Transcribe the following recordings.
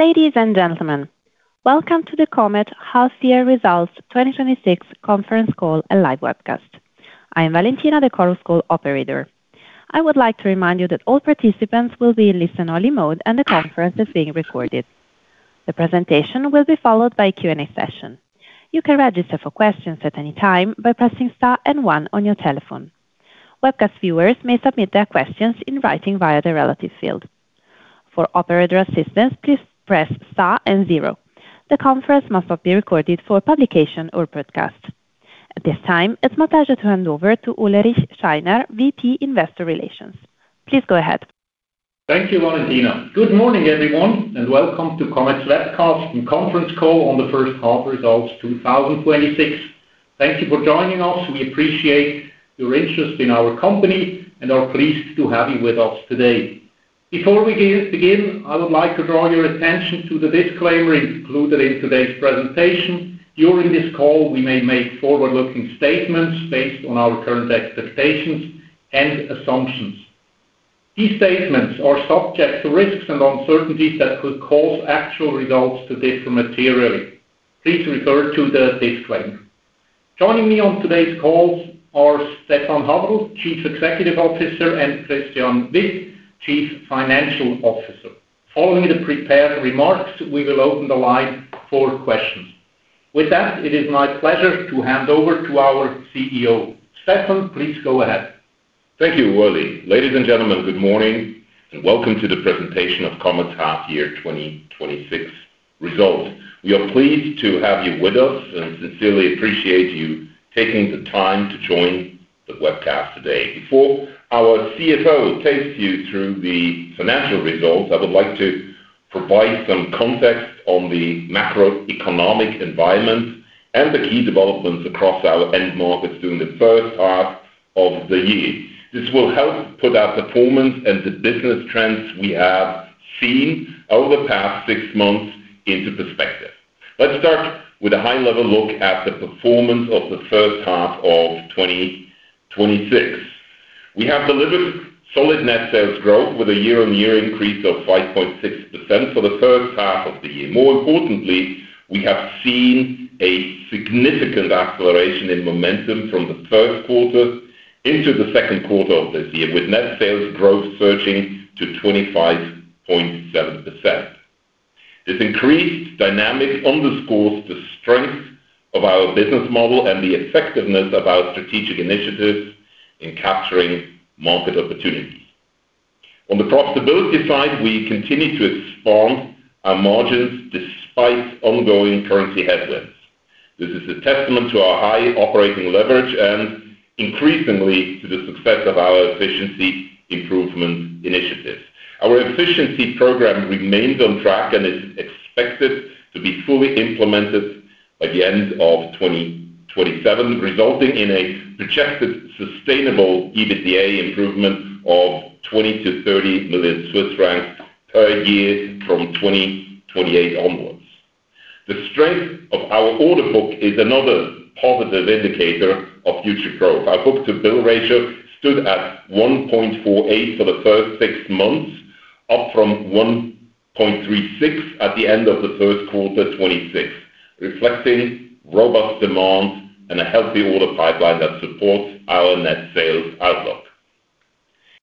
Ladies and gentlemen, welcome to the Comet Half Year Results 2026 Conference Call and Live Webcast. I am Valentina, the Call Schedule Operator. I would like to remind you that all participants will be in listen-only mode, and the conference is being recorded. The presentation will be followed by a Q&A session. You can register for questions at any time by pressing star and one on your telephone. Webcast viewers may submit their questions in writing via the relative field. For operator assistance, please press star and zero. The conference must not be recorded for publication or broadcast. At this time, it is my pleasure to hand over to Ulrich Steiner, VP Investor Relations. Please go ahead. Thank you, Valentina. Good morning, everyone, and welcome to Comet's Webcast and Conference Call on the First Half Results 2026. Thank you for joining us. We appreciate your interest in our company and are pleased to have you with us today. Before we begin, I would like to draw your attention to the disclaimer included in today's presentation. During this call, we may make forward-looking statements based on our current expectations and assumptions. These statements are subject to risks and uncertainties that could cause actual results to differ materially. Please refer to the disclaimer. Joining me on today's call are Stephan Haferl, Chief Executive Officer, and Christian Witt, Chief Financial Officer. Following the prepared remarks, we will open the line for questions. With that, it is my pleasure to hand over to our CEO. Stephan, please go ahead. Thank you, Ulrich. Ladies and gentlemen, good morning and welcome to the presentation of Comet's half year 2026 results. We are pleased to have you with us and sincerely appreciate you taking the time to join the webcast today. Before our CFO takes you through the financial results, I would like to provide some context on the macroeconomic environment and the key developments across our end markets during the first half of the year. This will help put our performance and the business trends we have seen over the past six months into perspective. Let's start with a high-level look at the performance of the first half of 2026. We have delivered solid net sales growth with a year-on-year increase of 5.6% for the first half of the year. More importantly, we have seen a significant acceleration in momentum from the first quarter into the second quarter of this year, with net sales growth surging to 25.7%. This increased dynamic underscores the strength of our business model and the effectiveness of our strategic initiatives in capturing market opportunities. On the profitability side, we continue to expand our margins despite ongoing currency headwinds. This is a testament to our high operating leverage and increasingly to the success of our efficiency improvement initiatives. Our efficiency program remains on track and is expected to be fully implemented by the end of 2027, resulting in a projected sustainable EBITDA improvement of 20 million to 30 million Swiss francs per year from 2028 onwards. The strength of our order book is another positive indicator of future growth. Our book-to-bill ratio stood at 1.48 for the first six months, up from 1.36 at the end of the first quarter 2026, reflecting robust demand and a healthy order pipeline that supports our net sales outlook.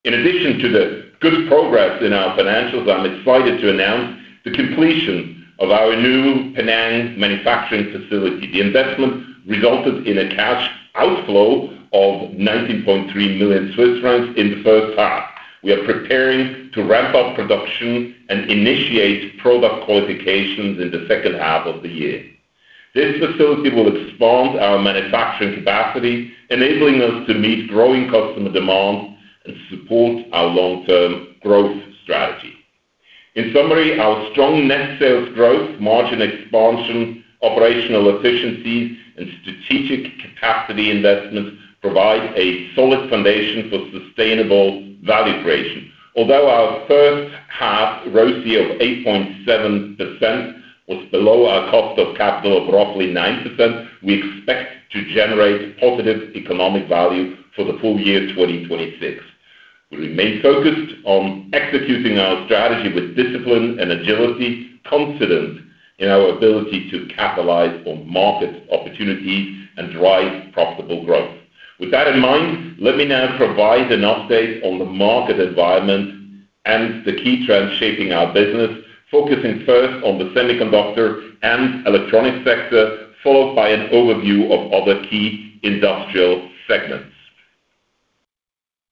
In addition to the good progress in our financials, I'm excited to announce the completion of our new Penang manufacturing facility. The investment resulted in a cash outflow of 19.3 million Swiss francs in the first half. We are preparing to ramp up production and initiate product qualifications in the second half of the year. This facility will expand our manufacturing capacity, enabling us to meet growing customer demand and support our long-term growth strategy. In summary, our strong net sales growth, margin expansion, operational efficiency, and strategic capacity investments provide a solid foundation for sustainable value creation. Although our first half ROCE of 8.7% was below our cost of capital of roughly 9%, we expect to generate positive economic value for the full year 2026. We remain focused on executing our strategy with discipline and agility, confident in our ability to capitalize on market opportunities and drive profitable growth. With that in mind, let me now provide an update on the market environment and the key trends shaping our business, focusing first on the semiconductor and electronics sector, followed by an overview of other key industrial segments.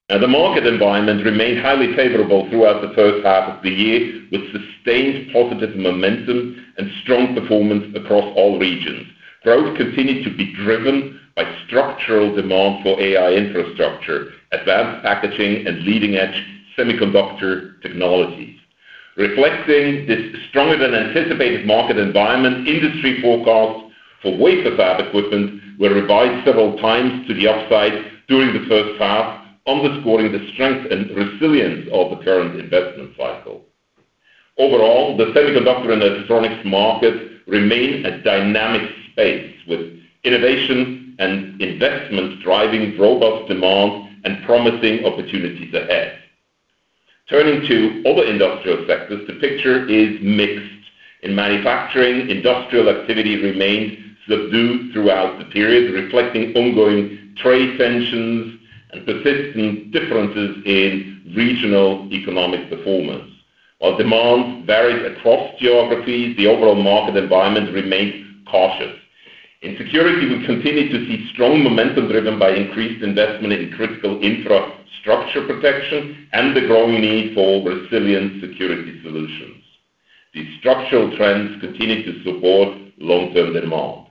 The market environment remained highly favorable throughout the first half of the year, with sustained positive momentum and strong performance across all regions. Growth continued to be driven by structural demand for AI infrastructure, advanced packaging, and leading-edge semiconductor technologies. Reflecting this stronger than anticipated market environment, industry forecasts for wafer fab equipment were revised several times to the upside during the first half, underscoring the strength and resilience of the current investment cycle. Overall, the semiconductor and electronics market remain a dynamic space, with innovation and investment driving robust demand and promising opportunities ahead. Turning to other industrial sectors, the picture is mixed. In manufacturing, industrial activity remained subdued throughout the period, reflecting ongoing trade tensions and persistent differences in regional economic performance. While demand varied across geographies, the overall market environment remained cautious. In security, we continue to see strong momentum driven by increased investment in critical infrastructure protection and the growing need for resilient security solutions. These structural trends continue to support long-term demand.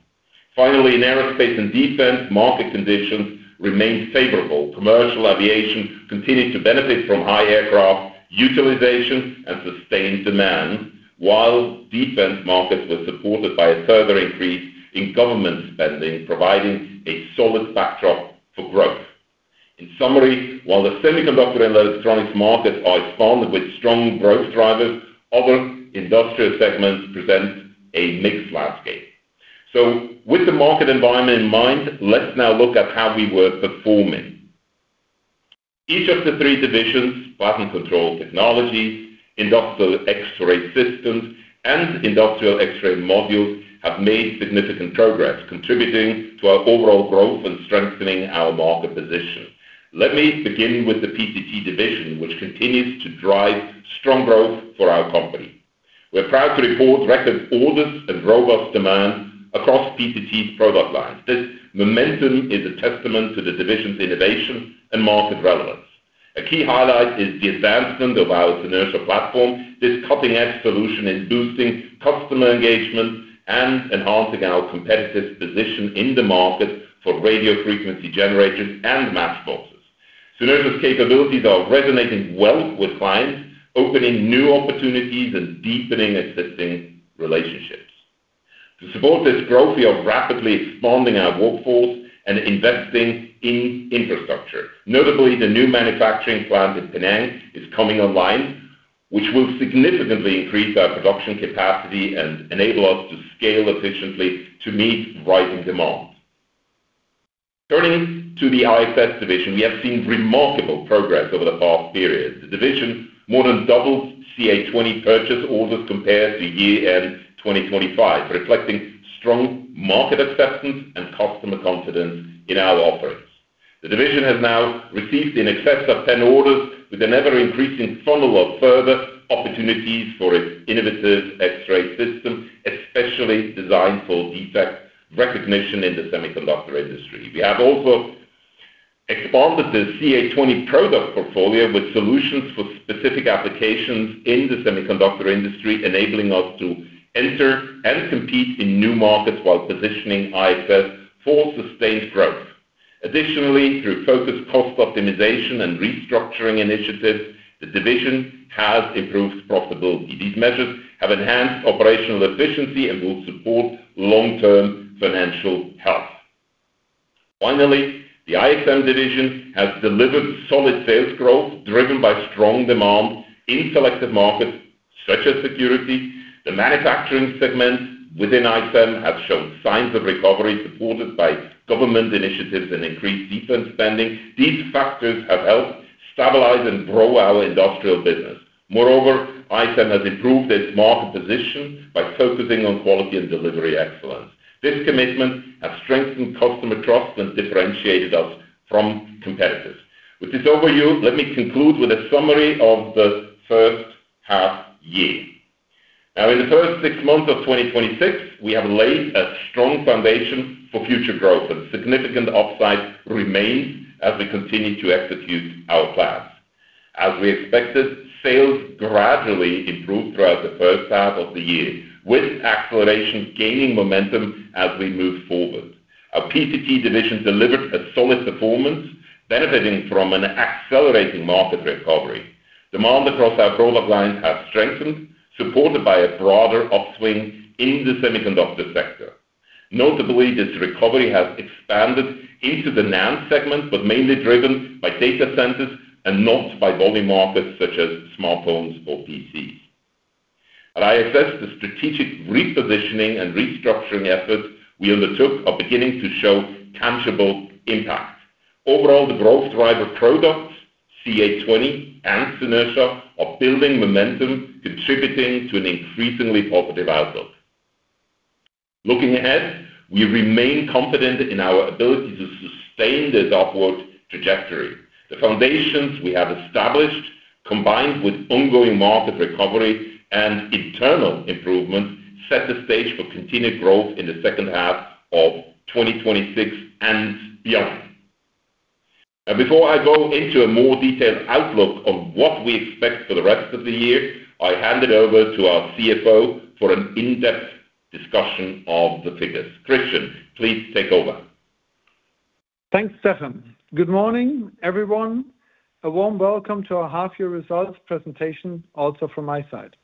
Finally, in aerospace and defense, market conditions remained favorable. Commercial aviation continued to benefit from high aircraft utilization and sustained demand, while defense markets were supported by a further increase in government spending, providing a solid backdrop for growth. In summary, while the semiconductor and electronics markets are expanding with strong growth drivers, other industrial segments present a mixed landscape. With the market environment in mind, let's now look at how we were performing. Each of the three divisions, Plasma Control Technologies, Industrial X-Ray Systems, and Industrial X-Ray Modules, have made significant progress contributing to our overall growth and strengthening our market position. Let me begin with the PCT division, which continues to drive strong growth for our company. We're proud to report record orders and robust demand across PCT's product lines. This momentum is a testament to the division's innovation and market relevance. A key highlight is the advancement of our Synertia platform. This cutting-edge solution is boosting customer engagement and enhancing our competitive position in the market for radio frequency generators and matchboxes. Synertia's capabilities are resonating well with clients, opening new opportunities and deepening existing relationships. To support this growth, we are rapidly expanding our workforce and investing in infrastructure. Notably, the new manufacturing plant in Penang is coming online, which will significantly increase our production capacity and enable us to scale efficiently to meet rising demands. Turning to the IXS division, we have seen remarkable progress over the past period. The division more than doubled CA20 purchase orders compared to year-end 2025, reflecting strong market acceptance and customer confidence in our offerings. The division has now received in excess of 10 orders with an ever-increasing funnel of further opportunities for its innovative X-ray system, especially designed for defect recognition in the semiconductor industry. We have also expanded the CA20 product portfolio with solutions for specific applications in the semiconductor industry, enabling us to enter and compete in new markets while positioning IXS for sustained growth. Additionally, through focused cost optimization and restructuring initiatives, the division has improved profitability. These measures have enhanced operational efficiency and will support long-term financial health. Finally, the IXM division has delivered solid sales growth driven by strong demand in selective markets such as security. The manufacturing segments within IXM have shown signs of recovery supported by government initiatives and increased defense spending. These factors have helped stabilize and grow our industrial business. Moreover, IXM has improved its market position by focusing on quality and delivery excellence. This commitment has strengthened customer trust and differentiated us from competitors. With this overview, let me conclude with a summary of the first half year. In the first six months of 2026, we have laid a strong foundation for future growth, and significant upside remains as we continue to execute our plans. As we expected, sales gradually improved throughout the first half of the year, with acceleration gaining momentum as we moved forward. Our PCT division delivered a solid performance benefiting from an accelerating market recovery. Demand across our product lines has strengthened, supported by a broader upswing in the semiconductor sector. Notably, this recovery has expanded into the NAND segment, but mainly driven by data centers and not by volume markets such as smartphones or PCs. At IXS, the strategic repositioning and restructuring efforts we undertook are beginning to show tangible impact. Overall, the growth driver products, CA20, and Synertia are building momentum contributing to an increasingly positive outlook. Looking ahead, we remain confident in our ability to sustain this upward trajectory. The foundations we have established, combined with ongoing market recovery and internal improvements, set the stage for continued growth in the second half of 2026 and beyond. Before I go into a more detailed outlook on what we expect for the rest of the year, I hand it over to our CFO for an in-depth discussion of the figures. Christian, please take over. Thanks, Stephan. Good morning, everyone. A warm welcome to our half-year results presentation also from my side.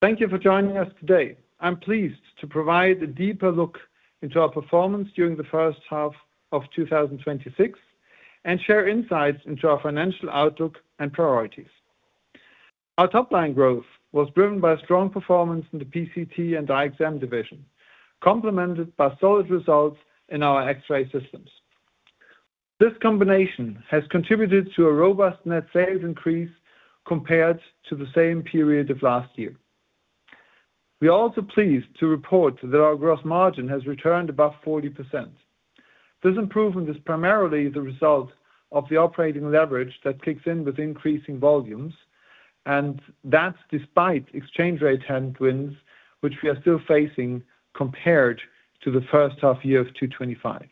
Thank you for joining us today. I am pleased to provide a deeper look into our performance during the first half of 2026 and share insights into our financial outlook and priorities. Our top-line growth was driven by strong performance in the PCT and IXM division, complemented by solid results in our X-Ray Systems. This combination has contributed to a robust net sales increase compared to the same period of last year. We are also pleased to report that our gross margin has returned above 40%. This improvement is primarily the result of the operating leverage that kicks in with increasing volumes, and that is despite exchange rate headwinds which we are still facing compared to the first half-year of 2025.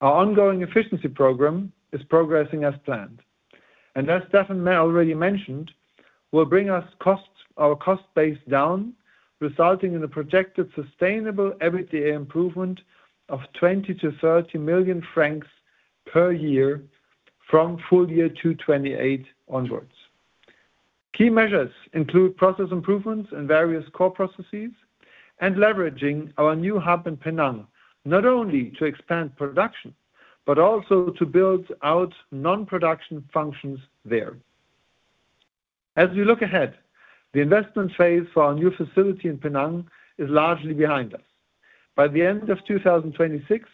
Our ongoing efficiency program is progressing as planned. As Stephan already mentioned, will bring our cost base down, resulting in a projected sustainable EBITDA improvement of 20 million to 30 million francs per year from full year 2028 onwards. Key measures include process improvements in various core processes and leveraging our new hub in Penang, not only to expand production, but also to build out non-production functions there. As we look ahead, the investment phase for our new facility in Penang is largely behind us. By the end of 2026,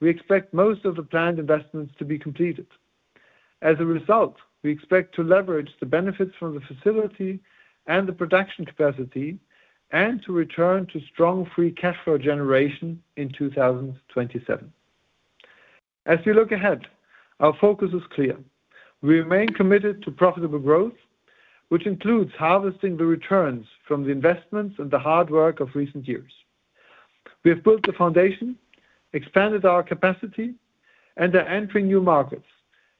we expect most of the planned investments to be completed. As a result, we expect to leverage the benefits from the facility and the production capacity and to return to strong free cash flow generation in 2027. As we look ahead, our focus is clear. We remain committed to profitable growth, which includes harvesting the returns from the investments and the hard work of recent years. We have built the foundation, expanded our capacity, and are entering new markets,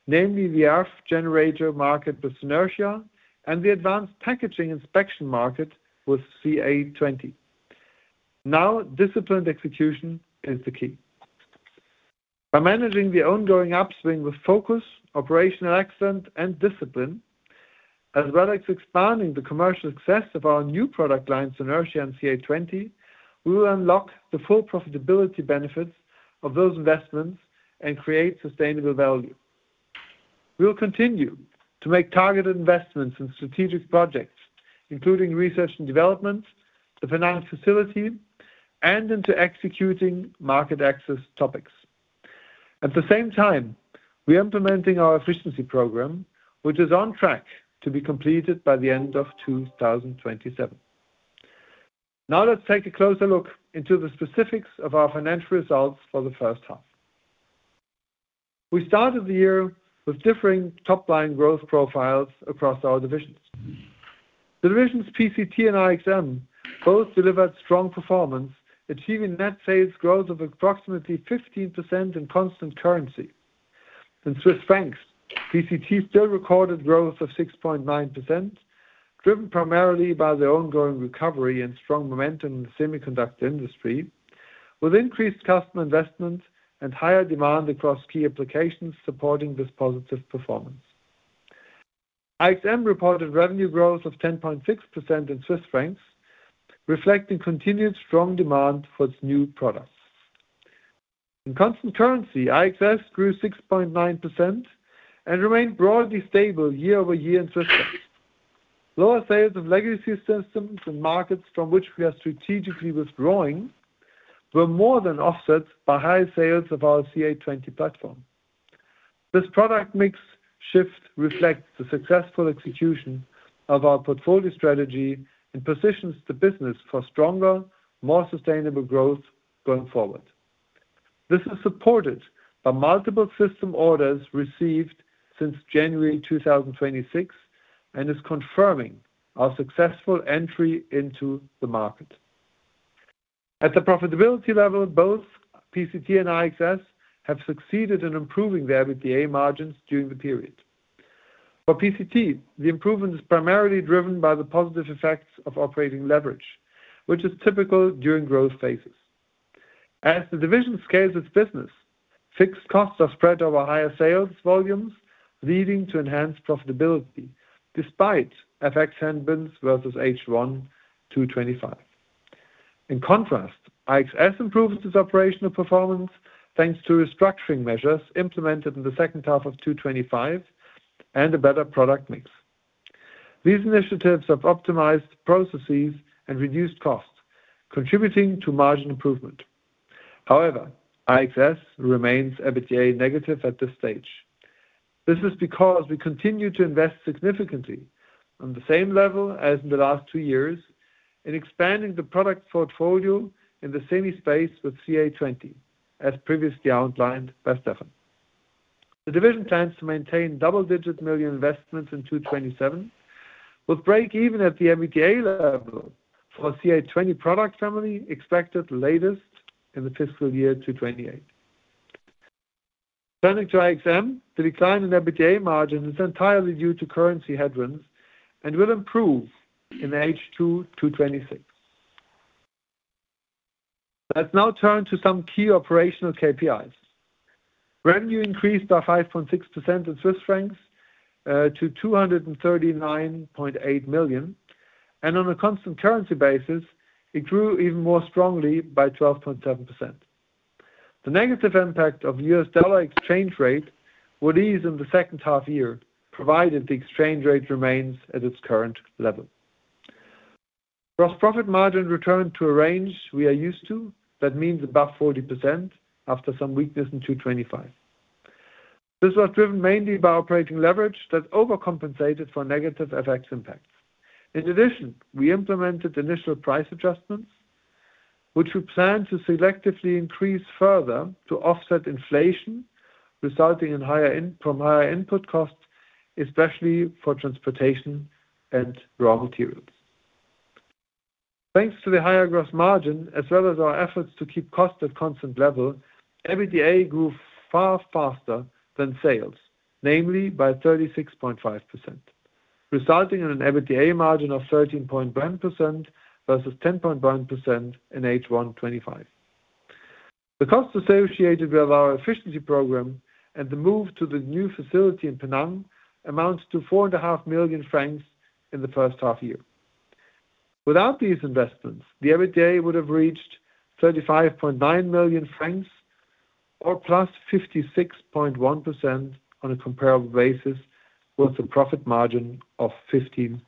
namely the RF generator market with Synertia and the advanced packaging inspection market with CA20. Disciplined execution is the key. By managing the ongoing upswing with focus, operational excellence and discipline, as well as expanding the commercial success of our new product lines, Synertia and CA20, we will unlock the full profitability benefits of those investments and create sustainable value. We will continue to make targeted investments in strategic projects, including research and development, the finance facility, and into executing market access topics. At the same time, we are implementing our efficiency program, which is on track to be completed by the end of 2027. Let us take a closer look into the specifics of our financial results for the first half. We started the year with differing top-line growth profiles across our divisions. The divisions PCT and IXM both delivered strong performance, achieving net sales growth of approximately 15% in constant currency. In CHF, PCT still recorded growth of 6.9%, driven primarily by the ongoing recovery and strong momentum in the semiconductor industry, with increased customer investment and higher demand across key applications supporting this positive performance. IXM reported revenue growth of 10.6% in CHF, reflecting continued strong demand for its new products. In constant currency, IXS grew 6.9% and remained broadly stable year-over-year in CHF. Lower sales of legacy systems and markets from which we are strategically withdrawing were more than offset by high sales of our CA20 platform. This product mix shift reflects the successful execution of our portfolio strategy and positions the business for stronger, more sustainable growth going forward. This is supported by multiple system orders received since January 2026 and is confirming our successful entry into the market. At the profitability level, both PCT and IXS have succeeded in improving the EBITDA margins during the period. For PCT, the improvement is primarily driven by the positive effects of operating leverage, which is typical during growth phases. As the division scales its business, fixed costs are spread over higher sales volumes, leading to enhanced profitability despite FX headwinds versus H1 2025. In contrast, IXS improves its operational performance thanks to restructuring measures implemented in the second half of 2025 and a better product mix. These initiatives have optimized processes and reduced costs, contributing to margin improvement. However, IXS remains EBITDA negative at this stage. This is because we continue to invest significantly on the same level as in the last two years in expanding the product portfolio in the semi space with CA20, as previously outlined by Stephan. The division plans to maintain double-digit million investments in 2027, with break-even at the EBITDA level for CA20 product family expected latest in the fiscal year 2028. Turning to IXM, the decline in EBITDA margin is entirely due to currency headwinds and will improve in H2 2026. Let's now turn to some key operational KPIs. Revenue increased by 5.6% in Swiss francs to 239.8 million, and on a constant currency basis, it grew even more strongly by 12.7%. The negative impact of U.S. dollar exchange rate will ease in the second half year, provided the exchange rate remains at its current level. Gross profit margin returned to a range we are used to, that means above 40%, after some weakness in 2025. This was driven mainly by operating leverage that overcompensated for negative FX impacts. In addition, we implemented initial price adjustments, which we plan to selectively increase further to offset inflation, resulting from higher input costs, especially for transportation and raw materials. Thanks to the higher gross margin, as well as our efforts to keep cost at constant level, EBITDA grew far faster than sales, namely by 36.5%, resulting in an EBITDA margin of 13.1% versus 10.1% in H1 2025. The cost associated with our efficiency program and the move to the new facility in Penang amounts to four and a half million CHF in the first half year. Without these investments, the EBITDA would have reached 35.9 million francs or +56.1% on a comparable basis, with a profit margin of 15%.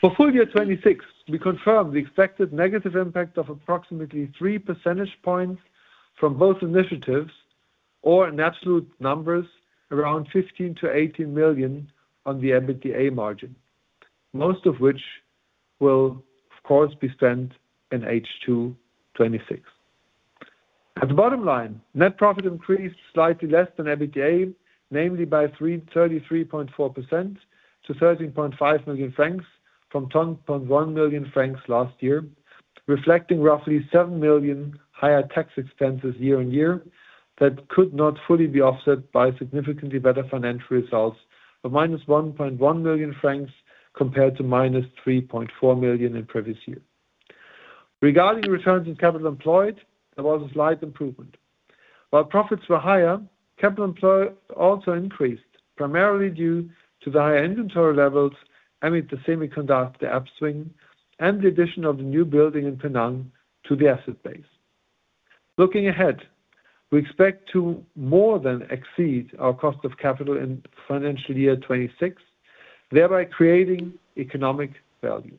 For full year 2026, we confirm the expected negative impact of approximately three percentage points from both initiatives, or in absolute numbers, around 15 million-18 million on the EBITDA margin, most of which will, of course, be spent in H2 2026. At the bottom line, net profit increased slightly less than EBITDA, namely by 33.4% to 13.5 million francs from 10.1 million francs last year, reflecting roughly seven million higher tax expenses year-on-year that could not fully be offset by significantly better financial results of -1.1 million francs compared to -3.4 million in previous year. Regarding returns on capital employed, there was a slight improvement. While profits were higher, capital employed also increased, primarily due to the higher inventory levels amid the semiconductor upswing and the addition of the new building in Penang to the asset base. Looking ahead, we expect to more than exceed our cost of capital in financial year 2026, thereby creating economic value.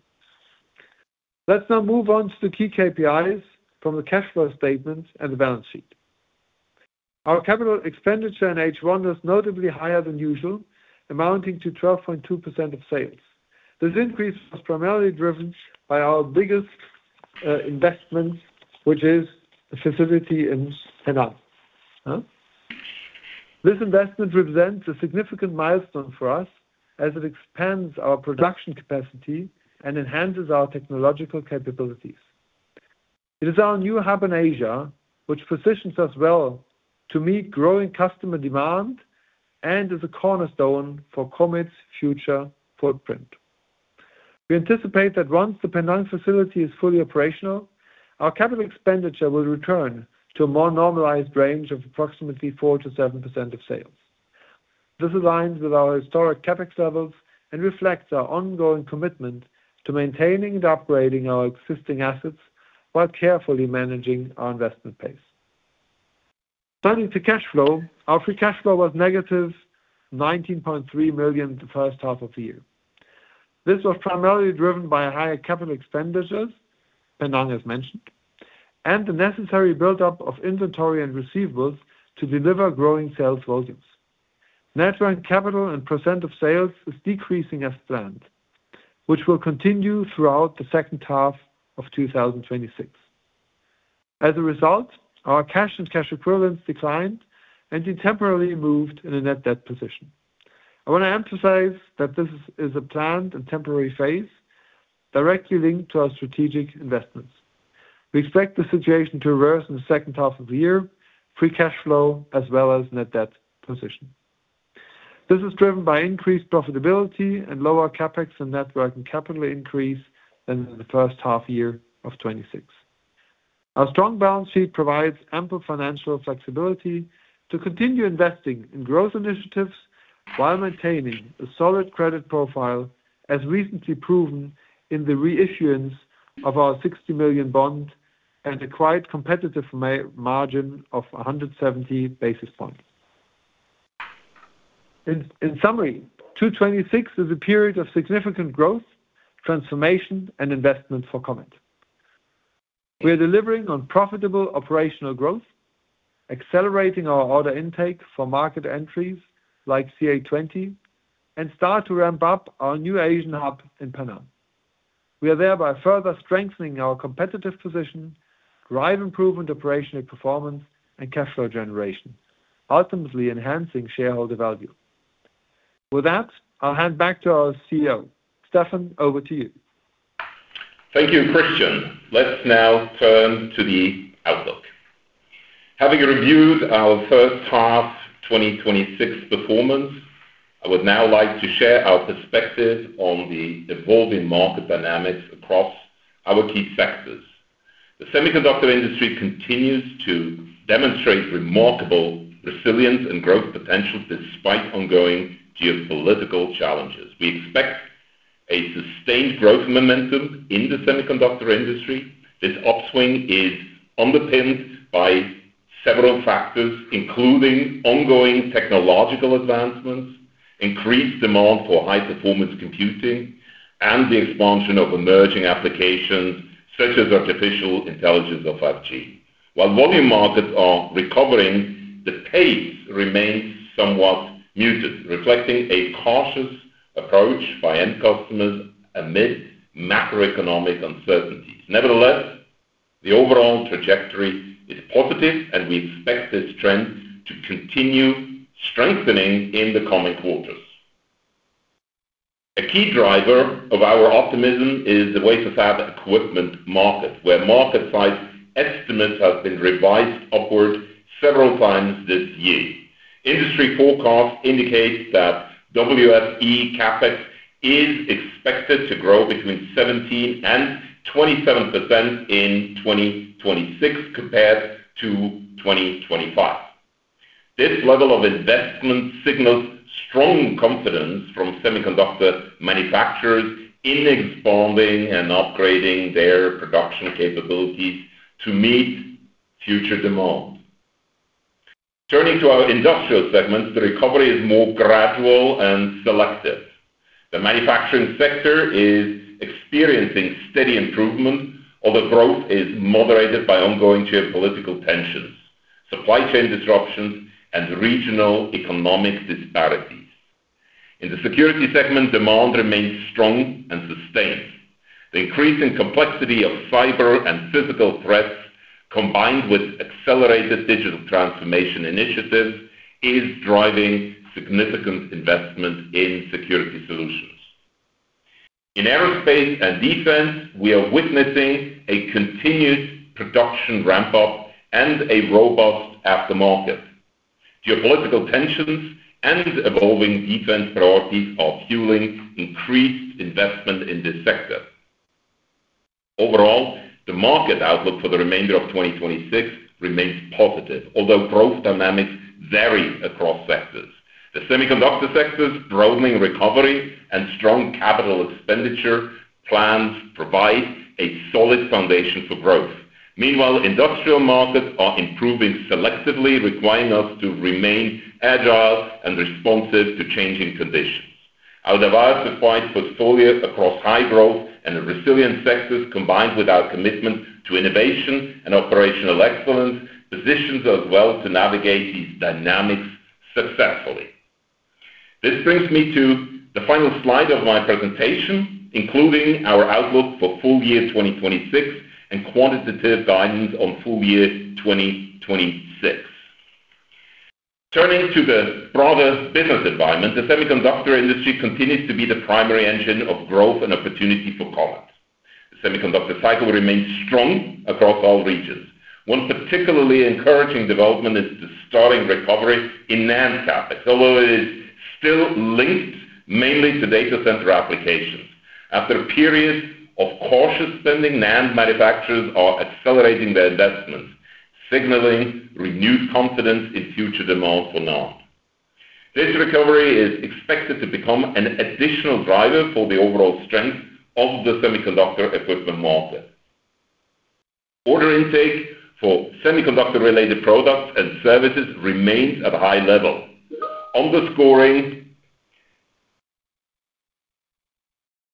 Let's now move on to the key KPIs from the cash flow statement and the balance sheet. Our capital expenditure in H1 was notably higher than usual, amounting to 12.2% of sales. This increase was primarily driven by our biggest investment, which is the facility in Penang. This investment represents a significant milestone for us as it expands our production capacity and enhances our technological capabilities. It is our new hub in Asia, which positions us well to meet growing customer demand and is a cornerstone for Comet's future footprint. We anticipate that once the Penang facility is fully operational, our capital expenditure will return to a more normalized range of approximately 4%-7% of sales. This aligns with our historic CapEx levels and reflects our ongoing commitment to maintaining and upgrading our existing assets while carefully managing our investment pace. Turning to cash flow, our free cash flow was -19.3 million the first half of the year. This was primarily driven by higher capital expenditures, Penang as mentioned, and the necessary buildup of inventory and receivables to deliver growing sales volumes. Net working capital and percentage of sales is decreasing as planned, which will continue throughout the second half of 2026. As a result, our cash and cash equivalents declined and we temporarily moved in a net debt position. I want to emphasize that this is a planned and temporary phase directly linked to our strategic investments. We expect the situation to reverse in the second half of the year, free cash flow as well as net debt position. This is driven by increased profitability and lower CapEx and net working capital increase than in the first half year of 2026. Our strong balance sheet provides ample financial flexibility to continue investing in growth initiatives while maintaining a solid credit profile, as recently proven in the reissuance of our 60 million bond and a quite competitive margin of 170 basis points. In summary, 2026 is a period of significant growth, transformation and investment for Comet. We are delivering on profitable operational growth, accelerating our order intake for market entries like CA20, and start to ramp up our new Asian hub in Penang. We are thereby further strengthening our competitive position, drive improvement operational performance and cash flow generation, ultimately enhancing shareholder value. With that, I'll hand back to our CEO. Stephan, over to you. Thank you, Christian. Let's now turn to the outlook. Having reviewed our first half 2026 performance, I would now like to share our perspective on the evolving market dynamics across our key sectors. The semiconductor industry continues to demonstrate remarkable resilience and growth potential despite ongoing geopolitical challenges. We expect sustained growth momentum in the semiconductor industry. This upswing is underpinned by several factors, including ongoing technological advancements, increased demand for high-performance computing, and the expansion of emerging applications such as artificial intelligence or 5G. While volume markets are recovering, the pace remains somewhat muted, reflecting a cautious approach by end customers amid macroeconomic uncertainties. Nevertheless, the overall trajectory is positive, and we expect this trend to continue strengthening in the coming quarters. A key driver of our optimism is the wafer fab equipment market, where market size estimates have been revised upward several times this year. Industry forecasts indicate that WFE CapEx is expected to grow between 17% and 27% in 2026 compared to 2025. This level of investment signals strong confidence from semiconductor manufacturers in expanding and upgrading their production capabilities to meet future demand. Turning to our industrial segments, the recovery is more gradual and selective. The manufacturing sector is experiencing steady improvement, although growth is moderated by ongoing geopolitical tensions, supply chain disruptions, and regional economic disparities. In the security segment, demand remains strong and sustained. The increasing complexity of cyber and physical threats, combined with accelerated digital transformation initiatives, is driving significant investment in security solutions. In aerospace and defense, we are witnessing a continued production ramp-up and a robust aftermarket. Geopolitical tensions and evolving defense priorities are fueling increased investment in this sector. Overall, the market outlook for the remainder of 2026 remains positive, although growth dynamics vary across sectors. The semiconductor sector's broadening recovery and strong capital expenditure plans provide a solid foundation for growth. Meanwhile, industrial markets are improving selectively, requiring us to remain agile and responsive to changing conditions. Our diverse appliance portfolios across high-growth and resilient sectors, combined with our commitment to innovation and operational excellence, positions us well to navigate these dynamics successfully. This brings me to the final slide of my presentation, including our outlook for full year 2026 and quantitative guidance on full year 2026. Turning to the broader business environment, the semiconductor industry continues to be the primary engine of growth and opportunity for Comet. The semiconductor cycle remains strong across all regions. One particularly encouraging development is the starting recovery in NAND CapEx, although it is still linked mainly to data center applications. After a period of cautious spending, NAND manufacturers are accelerating their investments, signaling renewed confidence in future demand for NAND. This recovery is expected to become an additional driver for the overall strength of the semiconductor equipment market. Order intake for semiconductor-related products and services remains at a high level, underscoring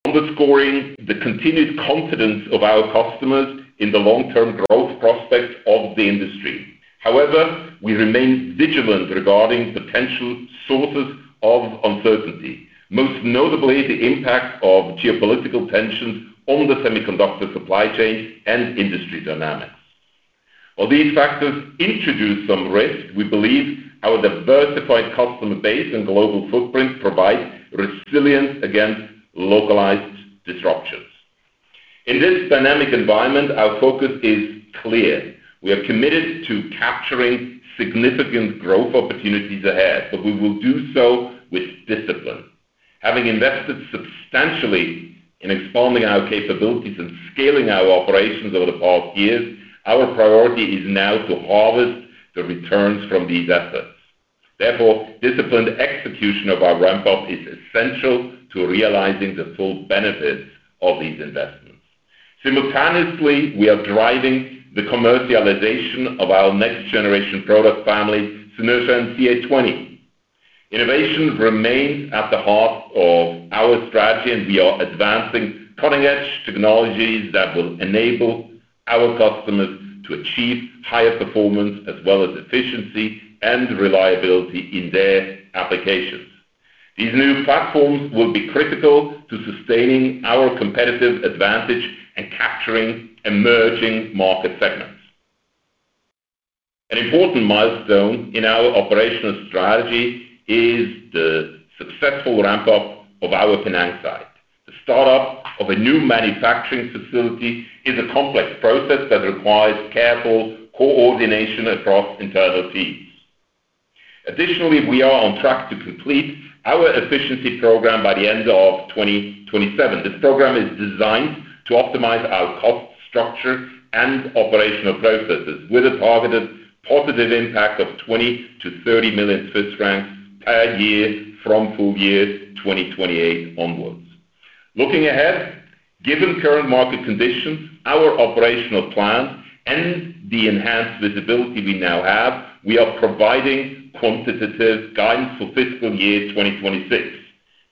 the continued confidence of our customers in the long-term growth prospects of the industry. However, we remain vigilant regarding potential sources of uncertainty, most notably the impact of geopolitical tensions on the semiconductor supply chain and industry dynamics. While these factors introduce some risk, we believe our diversified customer base and global footprint provide resilience against localized disruptions. In this dynamic environment, our focus is clear. We are committed to capturing significant growth opportunities ahead, but we will do so with discipline. Having invested substantially in expanding our capabilities and scaling our operations over the past years, our priority is now to harvest the returns from these efforts. Therefore, disciplined execution of our ramp-up is essential to realizing the full benefit of these investments. Simultaneously, we are driving the commercialization of our next-generation product family, Synertia and CA20. Innovation remains at the heart of our strategy. We are advancing cutting-edge technologies that will enable our customers to achieve higher performance as well as efficiency and reliability in their applications. These new platforms will be critical to sustaining our competitive advantage and capturing emerging market segments. An important milestone in our operational strategy is the successful ramp-up of our Penang site. The start-up of a new manufacturing facility is a complex process that requires careful coordination across internal teams. Additionally, we are on track to complete our efficiency program by the end of 2027. This program is designed to optimize our cost structure and operational processes with a targeted positive impact of 20 million-30 million Swiss francs per year from full year 2028 onwards. Looking ahead, given current market conditions, our operational plan, and the enhanced visibility we now have, we are providing quantitative guidance for FY 2026.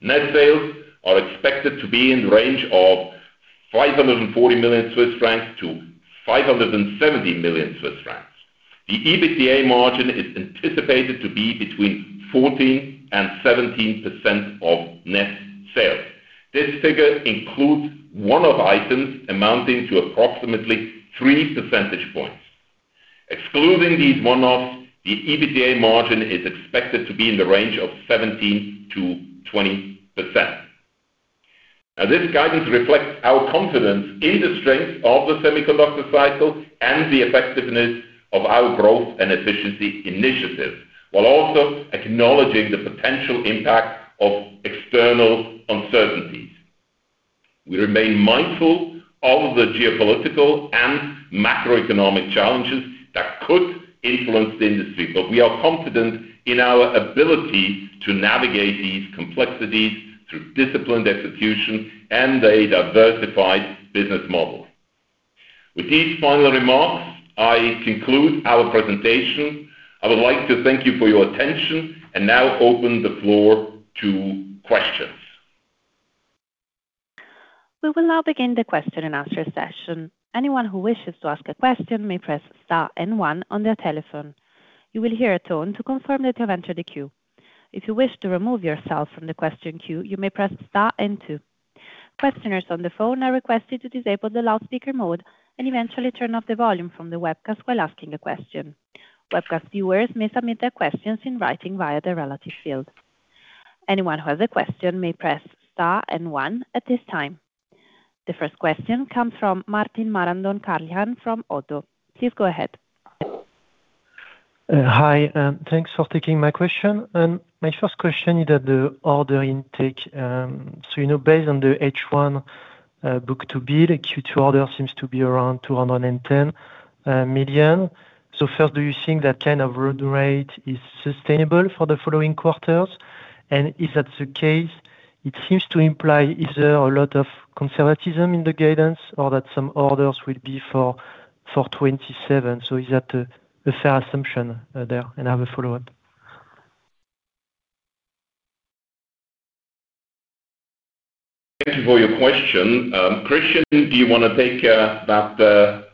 Net sales are expected to be in the range of 540 million-570 million Swiss francs. The EBITDA margin is anticipated to be between 14%-17% of net sales. This figure includes one-off items amounting to approximately 3 percentage points. Excluding these one-offs, the EBITDA margin is expected to be in the range of 17%-20%. This guidance reflects our confidence in the strength of the semiconductor cycle and the effectiveness of our growth and efficiency initiatives, while also acknowledging the potential impact of external uncertainties. We remain mindful of the geopolitical and macroeconomic challenges that could influence the industry. We are confident in our ability to navigate these complexities through disciplined execution and a diversified business model. With these final remarks, I conclude our presentation. I would like to thank you for your attention and now open the floor to questions. We will now begin the question and answer session. Anyone who wishes to ask a question may press star and one on their telephone. You will hear a tone to confirm that you have entered the queue. If you wish to remove yourself from the question queue, you may press star and two. Questioners on the phone are requested to disable the loudspeaker mode and eventually turn off the volume from the webcast while asking a question. Webcast viewers may submit their questions in writing via the relative field. Anyone who has a question may press star and one at this time. The first question comes from Martin Marandon-Carlhian from ODDO. Please go ahead. Hi, thanks for taking my question. My first question is at the order intake. Based on the H1 book-to-bill, the Q2 order seems to be around 210 million. First, do you think that kind of run rate is sustainable for the following quarters? If that's the case, it seems to imply, is there a lot of conservatism in the guidance or that some orders will be for 2027? Is that a fair assumption there? I have a follow-up. Thank you for your question. Christian, do you want to take that answer?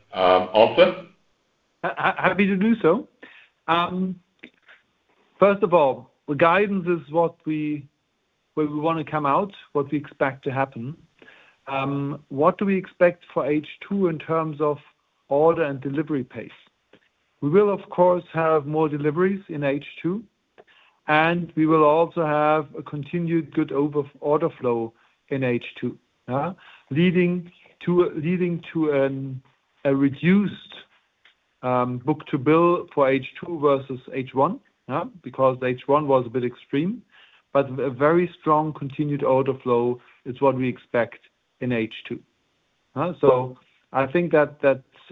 Happy to do so. First of all, the guidance is where we want to come out, what we expect to happen. What do we expect for H2 in terms of order and delivery pace? We will, of course, have more deliveries in H2, and we will also have a continued good order flow in H2 leading to a reduced book-to-bill for H2 versus H1. H1 was a bit extreme, but a very strong continued order flow is what we expect in H2. I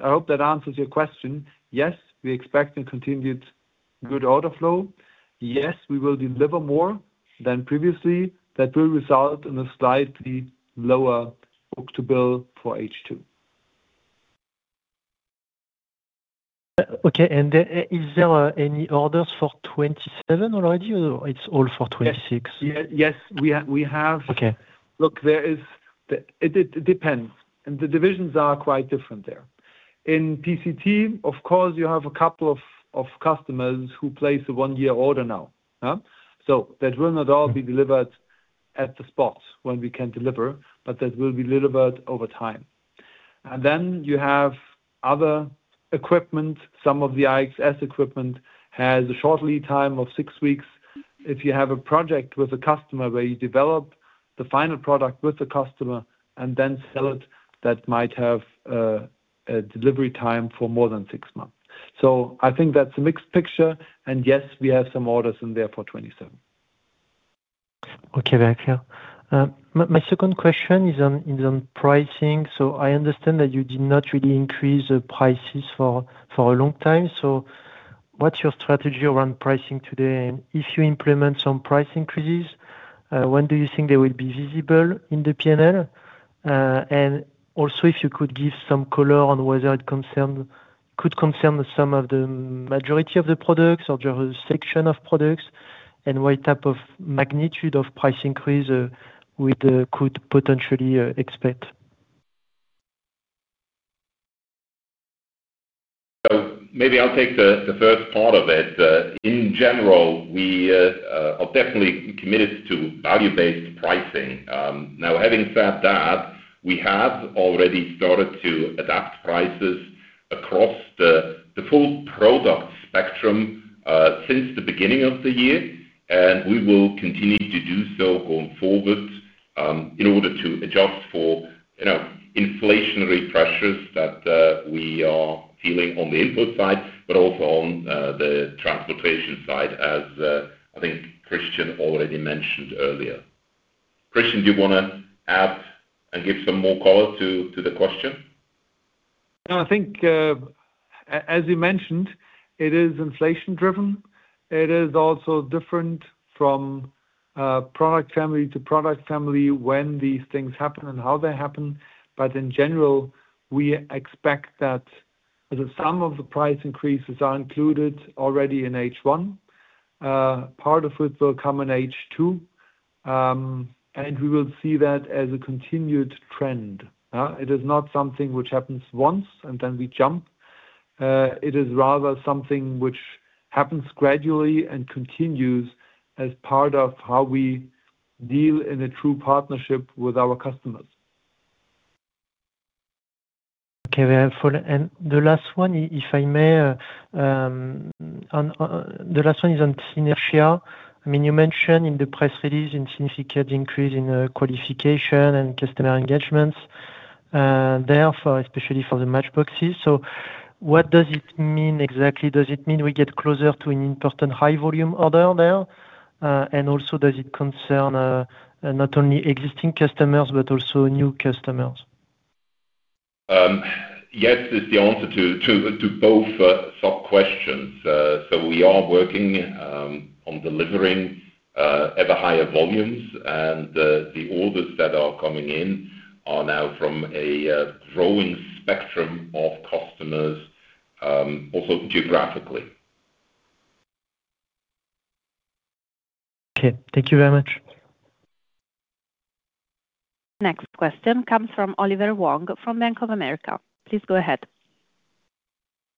hope that answers your question. Yes, we expect a continued good order flow. Yes, we will deliver more than previously. That will result in a slightly lower book-to-bill for H2. Okay. Is there any orders for 2027 already or it's all for 2026? Yes, we have. Okay. Look, it depends. The divisions are quite different there. In PCT, of course, you have a couple of customers who place a one-year order now. That will not all be delivered at the spot when we can deliver, but that will be delivered over time. Then you have other equipment. Some of the IXS equipment has a short lead time of six weeks. If you have a project with a customer where you develop the final product with the customer and then sell it, that might have a delivery time for more than six months. I think that's a mixed picture, and yes, we have some orders in there for 2027. Okay, very clear. My second question is on pricing. I understand that you did not really increase the prices for a long time. What's your strategy around pricing today? If you implement some price increases, when do you think they will be visible in the P&L? Also if you could give some color on whether it could concern some of the majority of the products or just a section of products, and what type of magnitude of price increase we could potentially expect. Maybe I'll take the first part of it. In general, we are definitely committed to value-based pricing. Having said that, we have already started to adapt prices across the full product spectrum, since the beginning of the year. We will continue to do so going forward, in order to adjust for inflationary pressures that we are feeling on the input side, but also on the transportation side as, I think Christian already mentioned earlier. Christian, do you want to add and give some more color to the question? No, I think, as you mentioned, it is inflation driven. It is also different from product family to product family when these things happen and how they happen. In general, we expect that the sum of the price increases are included already in H1. Part of it will come in H2. We will see that as a continued trend. It is not something which happens once and then we jump. It is rather something which happens gradually and continues as part of how we deal in a true partnership with our customers. Okay, very helpful. The last one, if I may. The last one is on Synertia. You mentioned in the press release a significant increase in qualification and customer engagements, especially for the matchboxes. What does it mean exactly? Does it mean we get closer to an important high volume order now? Does it concern not only existing customers but also new customers? Yes is the answer to both sub-questions. We are working on delivering ever higher volumes, and the orders that are coming in are now from a growing spectrum of customers, also geographically. Okay. Thank you very much. Next question comes from Oliver Wong from Bank of America. Please go ahead.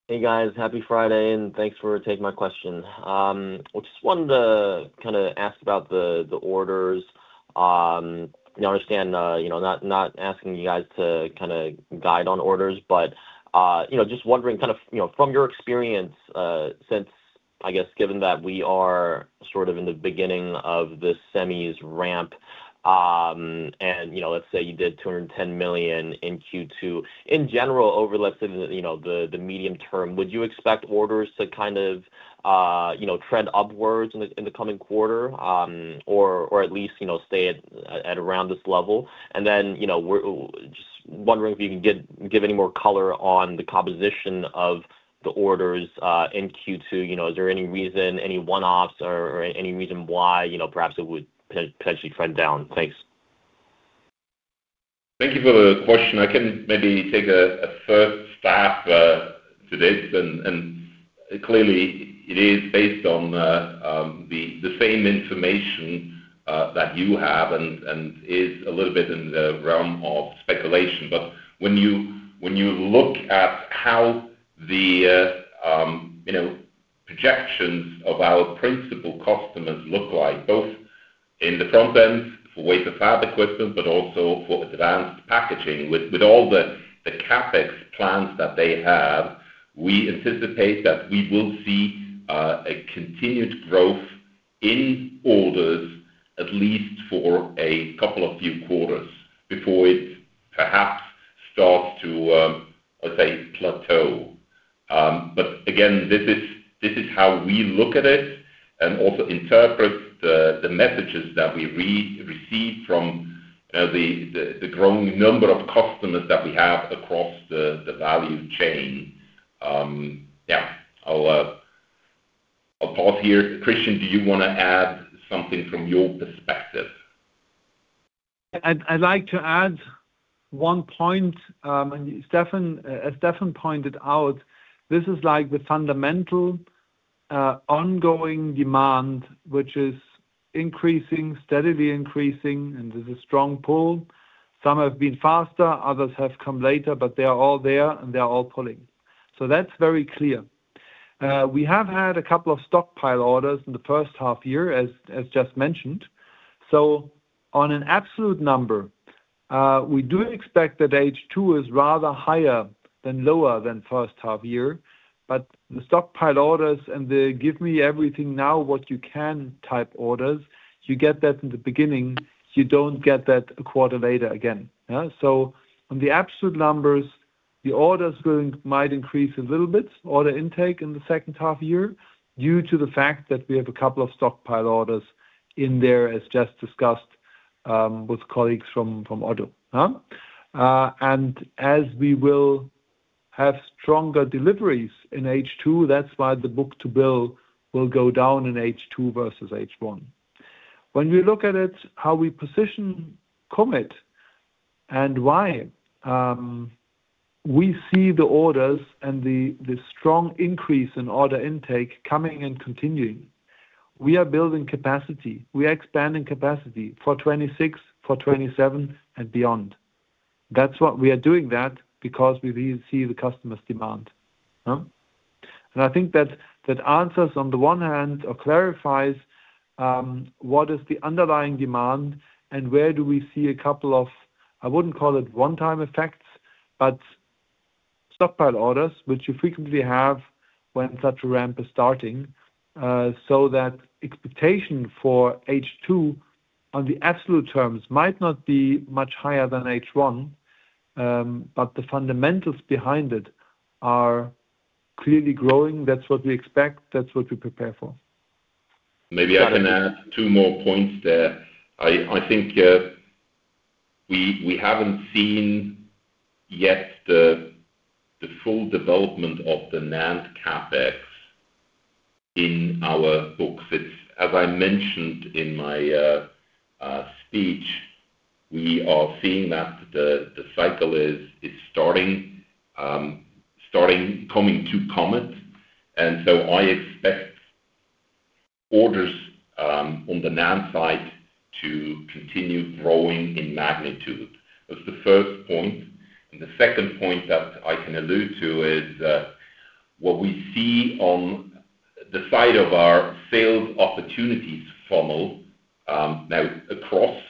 Hey, guys. Happy Friday, thanks for taking my question. Just wanted to ask about the orders. I understand, not asking you guys to guide on orders, but just wondering from your experience, since, I guess, given that we are in the beginning of this semis ramp, let's say you did 210 million in Q2. In general, over, let's say, the medium term, would you expect orders to trend upwards in the coming quarter? Or at least stay at around this level? Just wondering if you can give any more color on the composition of the orders in Q2. Is there any reason, any one-offs or any reason why perhaps it would potentially trend down? Thanks. Thank you for the question. I can maybe take a first stab to this, clearly it is based on the same information that you have and is a little bit in the realm of speculation. When you look at how the projections of our principal customers look like, both in the front end for wafer fab equipment, but also for advanced packaging. With all the CapEx plans that they have, we anticipate that we will see a continued growth in orders at least for a couple of few quarters before it perhaps starts to, let's say, plateau. Again, this is how we look at it and also interpret the messages that we receive from the growing number of customers that we have across the value chain. Yeah, I'll pause here. Christian, do you want to add something from your perspective? I'd like to add one point, as Stephan pointed out, this is like the fundamental ongoing demand, which is steadily increasing, and there's a strong pull. Some have been faster, others have come later, they are all there and they are all pulling. That's very clear. We have had a couple of stockpile orders in the first half year, as just mentioned. On an absolute number, we do expect that H2 is rather higher than lower than first half year, the stockpile orders and the "give me everything now what you can" type orders, you get that in the beginning, you don't get that a quarter later again. On the absolute numbers, the orders might increase a little bit, order intake in the second half year, due to the fact that we have a couple of stockpile orders in there, as just discussed with colleagues from ODDO. As we will have stronger deliveries in H2, that's why the book-to-bill will go down in H2 versus H1. When we look at it, how we position Comet and why we see the orders and the strong increase in order intake coming and continuing. We are building capacity. We are expanding capacity for 2026, for 2027 and beyond. We are doing that because we see the customers' demand. I think that answers on the one hand, or clarifies, what is the underlying demand and where do we see a couple of, I wouldn't call it one-time effects, but stockpile orders, which you frequently have when such a ramp is starting. That expectation for H2 on the absolute terms might not be much higher than H1, but the fundamentals behind it are clearly growing. That's what we expect. That's what we prepare for. Maybe I can add two more points there. I think we haven't seen yet the full development of the NAND CapEx in our books. It's as I mentioned in my speech, we are seeing that the cycle is starting, coming to Comet. I expect orders on the NAND side to continue growing in magnitude. That's the first point. The second point that I can allude to is what we see on the side of our sales opportunities funnel. Across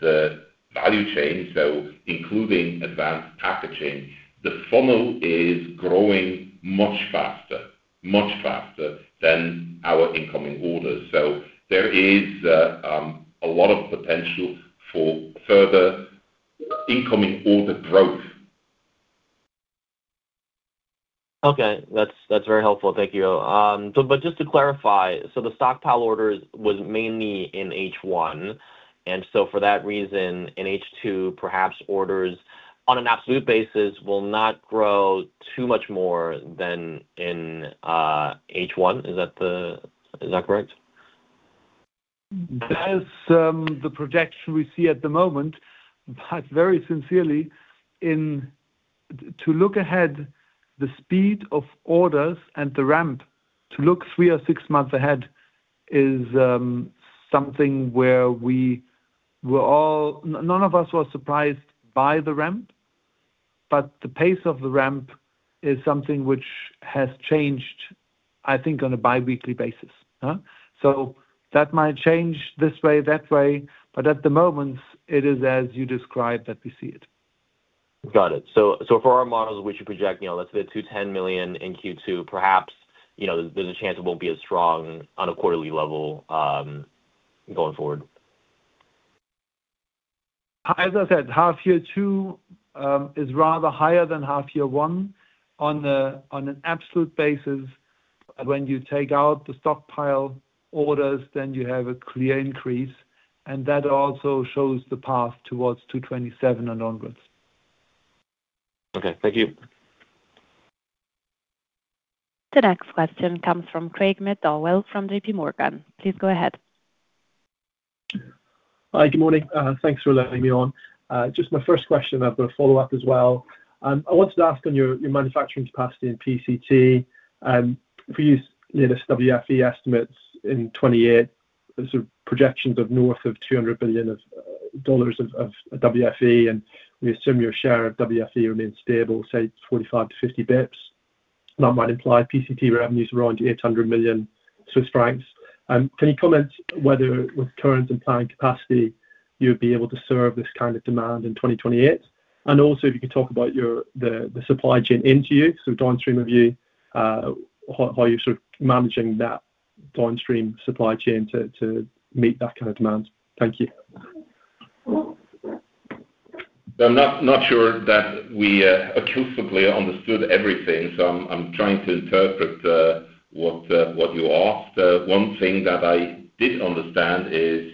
the value chain, including advanced packaging, the funnel is growing much faster than our incoming orders. There is a lot of potential for further incoming order growth. Okay. That's very helpful. Thank you. Just to clarify, the stockpile orders was mainly in H1, for that reason, in H2, perhaps orders on an absolute basis will not grow too much more than in H1. Is that correct? That is the projection we see at the moment, very sincerely, to look ahead, the speed of orders and the ramp to look three or six months ahead is something where none of us were surprised by the ramp. The pace of the ramp is something which has changed, I think, on a biweekly basis. That might change this way, that way, at the moment, it is as you described that we see it. Got it. For our models, we should project, let's say 210 million in Q2, perhaps, there's a chance it won't be as strong on a quarterly level, going forward. As I said, half year two is rather higher than half year one on an absolute basis. When you take out the stockpile orders, you have a clear increase, and that also shows the path towards 227 million and onwards. Okay. Thank you. The next question comes from Craig McDowell from JPMorgan. Please go ahead. Hi. Good morning. Thanks for letting me on. Just my first question, I've got a follow-up as well. I wanted to ask on your manufacturing capacity in PCT. If we use latest WFE estimates in 2028, there's projections of north of CHF 300 billion of WFE, and we assume your share of WFE remains stable, say 45 to 50 basis points. That might imply PCT revenues around 800 million Swiss francs. Can you comment whether with current and planned capacity, you would be able to serve this kind of demand in 2028? Also, if you could talk about the supply chain into you, so downstream of you, how you're sort of managing that downstream supply chain to meet that kind of demand. Thank you. I'm not sure that we acoustically understood everything. I'm trying to interpret what you asked. One thing that I did understand is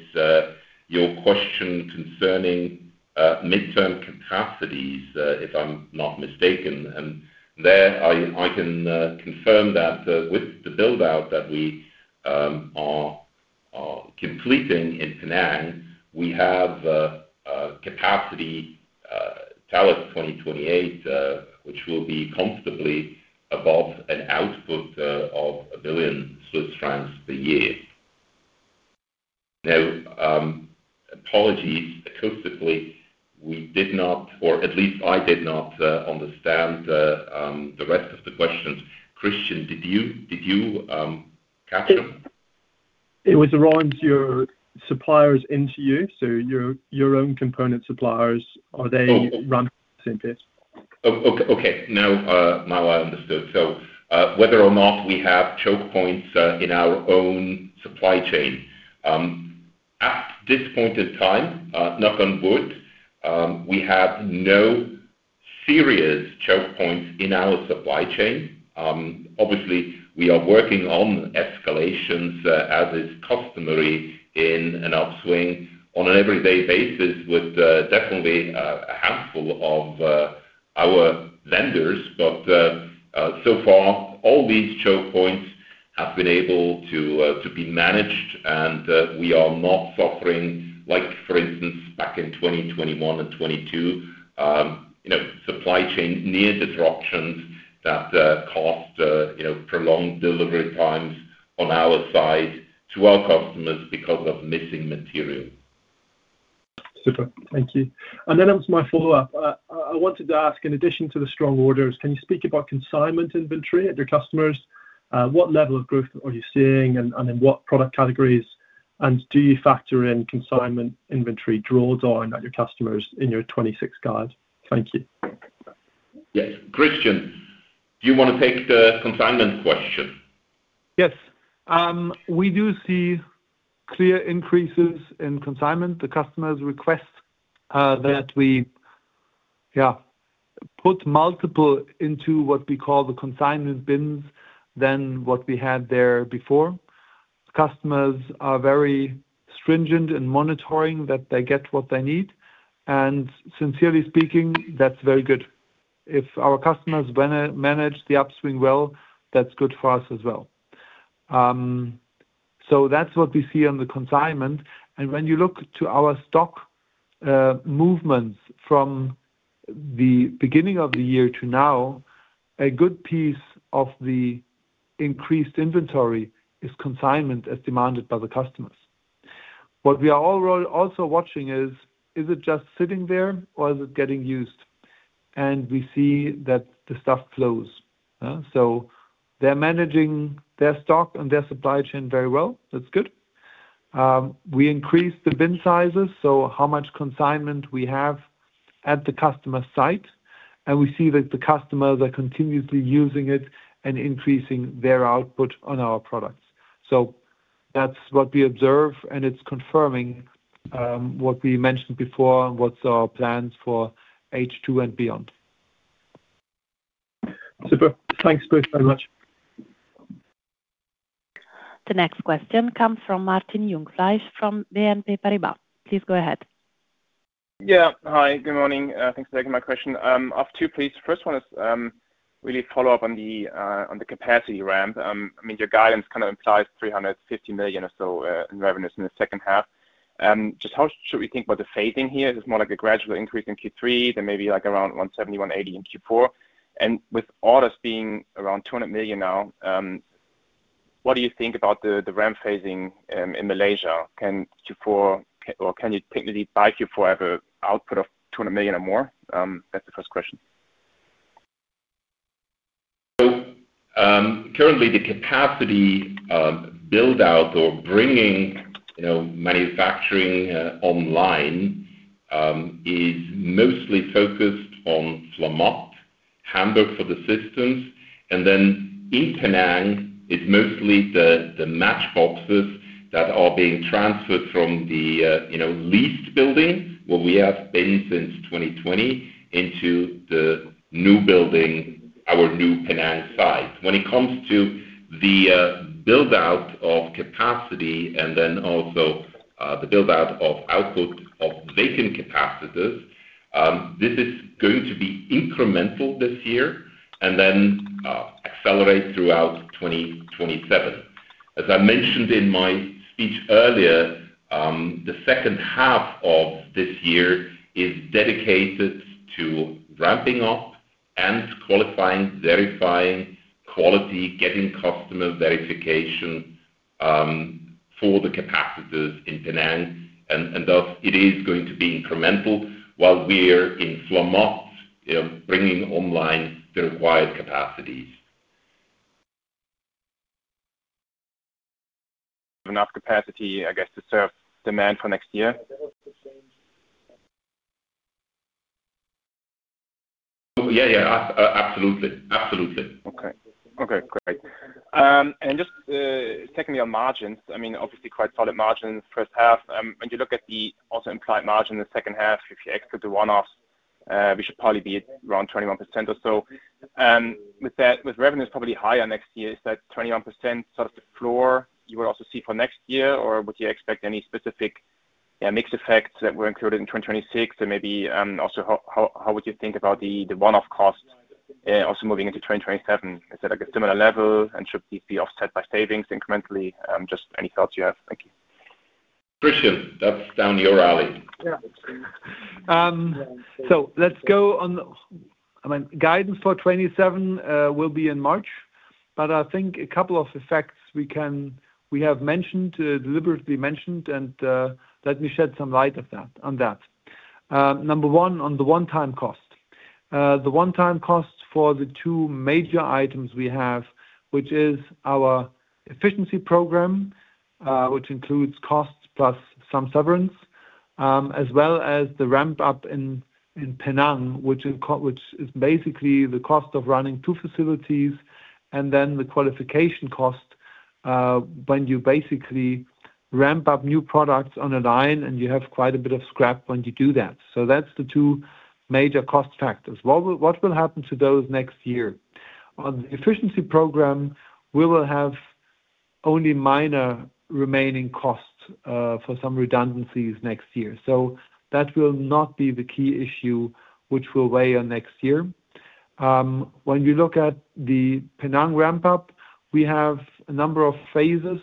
your question concerning midterm capacities, if I'm not mistaken. There, I can confirm that with the build-out that we are completing in Penang. We have capacity till 2028, which will be comfortably above an output of 1 billion Swiss francs per year. Now, apologies acoustically, we did not, or at least I did not, understand the rest of the questions. Christian, did you capture them? It was around your suppliers into you. Your own component suppliers. Are they run the same pace? Okay. Now I understood. Whether or not we have choke points in our own supply chain. At this point in time, knock on wood, we have no serious choke points in our supply chain. Obviously, we are working on escalations, as is customary in an upswing on an everyday basis with definitely a handful of our vendors. So far, all these choke points have been able to be managed, and we are not suffering, like for instance, back in 2021 and 2022, supply chain near disruptions that caused prolonged delivery times on our side to our customers because of missing material. Super. Thank you. Onto my follow-up. I wanted to ask, in addition to the strong orders, can you speak about consignment inventory at your customers? What level of growth are you seeing and in what product categories? Do you factor in consignment inventory draws on at your customers in your 2026 guide? Thank you. Yes. Christian, do you want to take the consignment question? Yes. We do see clear increases in consignment. The customers request that we put multiple into what we call the consignment bins than what we had there before. Customers are very stringent in monitoring that they get what they need. Sincerely speaking, that's very good. If our customers manage the upswing well, that's good for us as well. That's what we see on the consignment. When you look to our stock movements from the beginning of the year to now, a good piece of the increased inventory is consignment as demanded by the customers. What we are also watching is it just sitting there or is it getting used? We see that the stuff flows. They're managing their stock and their supply chain very well. That's good. We increased the bin sizes, so how much consignment we have at the customer site, and we see that the customers are continuously using it and increasing their output on our products. That's what we observe, and it's confirming what we mentioned before and what's our plans for H2 and beyond. Super. Thanks both very much. The next question comes from Martina Jung from BNP Paribas. Please go ahead. Hi, good morning. Thanks for taking my question. I have two, please. First one is really follow up on the capacity ramp. Your guidance kind of implies 350 million or so in revenues in the second half. Just how should we think about the phasing here? Is this more like a gradual increase in Q3 than maybe around 170 million, 180 million in Q4? With orders being around 200 million now, what do you think about the ramp phasing in Malaysia? Can you technically by Q4 have a output of 200 million or more? That's the first question. Currently, the capacity build-out or bringing manufacturing online, is mostly focused on Flammatt, Hamburg for the systems. In Penang, it's mostly the matchboxes that are being transferred from the leased building, where we have been since 2020, into the new building, our new Penang site. When it comes to the build-out of capacity and also the build-out of output of vacuum capacitors, this is going to be incremental this year and then accelerate throughout 2027. As I mentioned in my speech earlier, the second half of this year is dedicated to ramping up and qualifying, verifying quality, getting customer verification for the capacitors in Penang. It is going to be incremental, while we're in Flammatt, bringing online the required capacities. Enough capacity, I guess, to serve demand for next year? Yeah. Absolutely. Okay. Great. Just secondly, on margins, obviously quite solid margins first half. When you look at the also implied margin in the second half, if you exclude the one-offs, we should probably be at around 21% or so. With revenues probably higher next year, is that 21% sort of the floor you would also see for next year? Or would you expect any specific mixed effects that were included in 2026? Maybe also, how would you think about the one-off cost also moving into 2027? Is that a similar level and should this be offset by savings incrementally? Just any thoughts you have. Thank you. Christian, that's down your alley. Yeah. Guidance for 2027 will be in March, I think a couple of effects we have deliberately mentioned, and let me shed some light on that. Number one, on the one-time cost. The one-time cost for the two major items we have, which is our efficiency program, which includes costs plus some severance, as well as the ramp-up in Penang, which is basically the cost of running two facilities and then the qualification cost, when you basically ramp up new products on a line and you have quite a bit of scrap when you do that. That's the two major cost factors. What will happen to those next year? On the efficiency program, we will have only minor remaining costs for some redundancies next year. That will not be the key issue which will weigh on next year. When we look at the Penang ramp-up, we have a number of phases,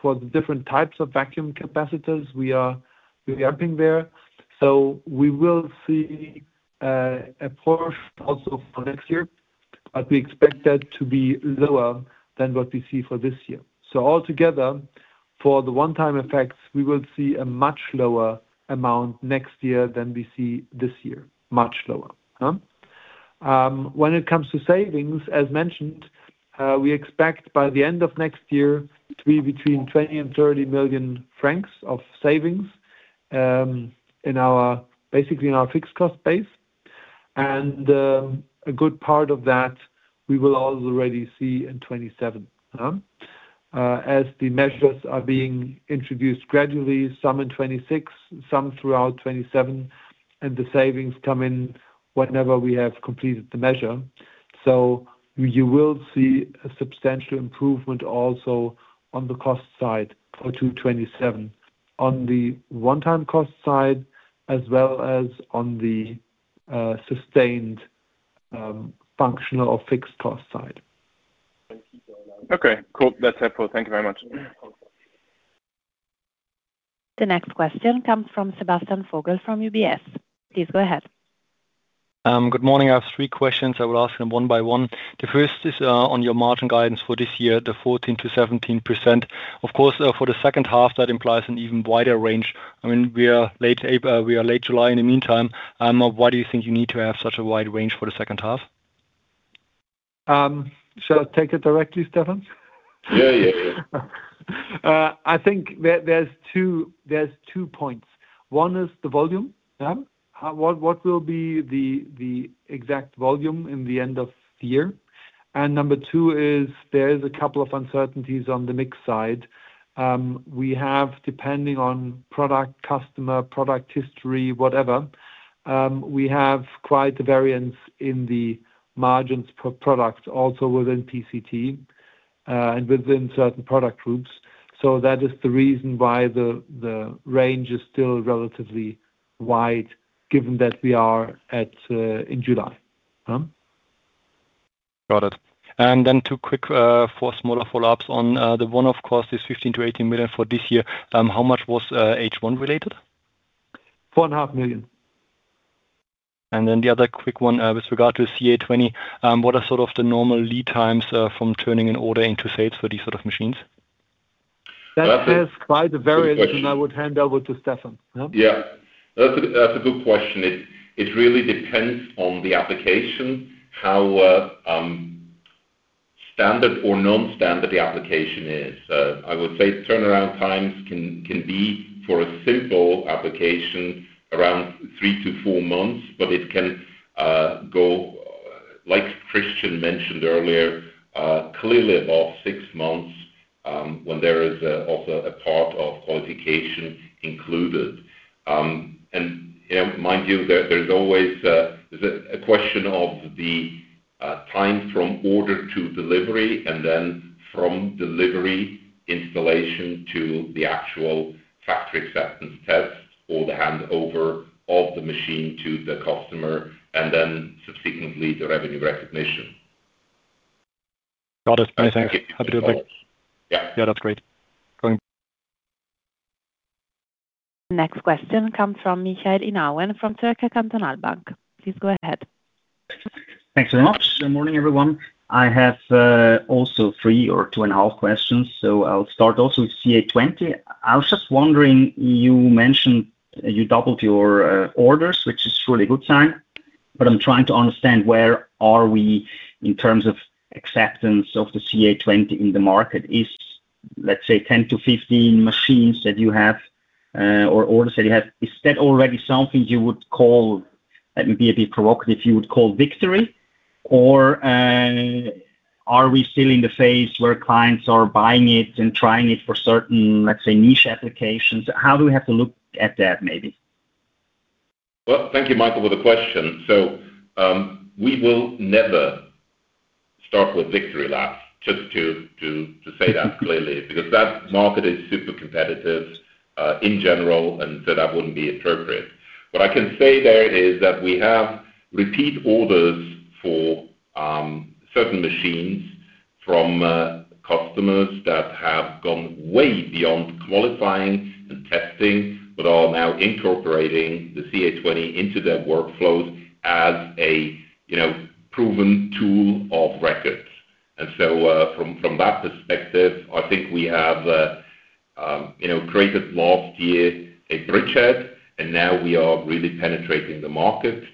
for the different types of vacuum capacitors we are ramping there. We will see a portion also for next year, but we expect that to be lower than what we see for this year. Altogether, for the one-time effects, we will see a much lower amount next year than we see this year. When it comes to savings, as mentioned, we expect by the end of next year to be between 20 million and 30 million francs of savings, basically in our fixed cost base. A good part of that we will already see in 2027. As the measures are being introduced gradually, some in 2026, some throughout 2027, the savings come in whenever we have completed the measure. You will see a substantial improvement also on the cost side for 2027, on the one-time cost side, as well as on the sustained functional or fixed cost side. Okay, cool. That's helpful. Thank you very much. The next question comes from Sebastian Vogel from UBS. Please go ahead. Good morning. I have three questions. I will ask them one by one. The first is on your margin guidance for this year, the 14%-17%. Of course, for the second half, that implies an even wider range. We are late July in the meantime. Why do you think you need to have such a wide range for the second half? Should I take it directly, Stephan? Yeah. I think there's two points. One is the volume. What will be the exact volume in the end of the year? Number two is there is a couple of uncertainties on the mix side. Depending on product customer, product history, whatever, we have quite the variance in the margins per product, also within PCT, and within certain product groups. That is the reason why the range is still relatively wide given that we are in July. Got it. Then two quick, four smaller follow-ups. On the one-off cost is 15 million-18 million for this year. How much was H1 related? 4.5 million. The other quick one with regard to CA20, what are sort of the normal lead times from turning an order into sales for these sort of machines? That is quite a variance, and I would hand over to Stephan. Yeah. That's a good question. It really depends on the application, how standard or non-standard the application is. I would say turnaround times can be, for a simple application, around three to four months, but it can go, like Christian mentioned earlier, clearly above six months, when there is also a part of qualification included. Mind you, there's always a question of the time from order to delivery, and then from delivery, installation to the actual factory acceptance test or the handover of the machine to the customer, and then subsequently the revenue recognition. Got it. Many thanks. Hope that helps. Yeah, that's great. Next question comes from Michael Inauen from Zürcher Kantonalbank. Please go ahead. Thanks very much. Good morning, everyone. I have also three or two and a half questions. I'll start also with CA20. I was just wondering, you mentioned you doubled your orders, which is truly a good sign. I'm trying to understand where are we in terms of acceptance of the CA20 in the market. Is, let's say, 10-15 machines that you have, or orders that you have, is that already something you would call, let me be a bit provocative, you would call victory? Are we still in the phase where clients are buying it and trying it for certain niche applications? How do we have to look at that, maybe? Well, thank you, Michael, for the question. We will never start with victory laps, just to say that clearly, because that market is super competitive, in general, and that wouldn't be appropriate. What I can say there is that we have repeat orders for certain machines from customers that have gone way beyond qualifying and testing, but are now incorporating the CA20 into their workflows as a proven tool of record. From that perspective, I think we have created last year a bridgehead, and now we are really penetrating the market.